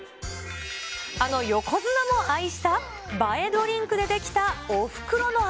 あの横綱も愛した映えドリンクで出来たおふくろの味。